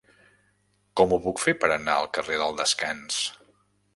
Com ho puc fer per anar al carrer del Descans?